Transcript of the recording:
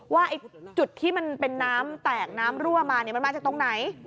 ว่าจุดที่มันเป็นน้ำแตกน้ำรั่วมามันมาจากตรงไหน